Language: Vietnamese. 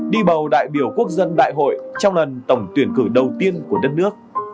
đi bầu đại biểu quốc dân đại hội trong lần tổng tuyển cử đầu tiên của đất nước